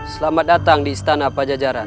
selamat datang di istana pajajaran